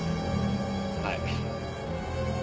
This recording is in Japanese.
はい。